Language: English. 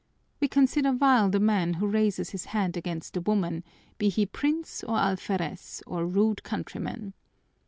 We consider vile the man who raises his hand against a woman, be he prince or alferez or rude countryman.